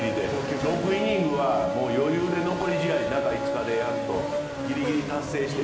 ６イニングは余裕で残り試合中５日でやるとギリギリ達成して。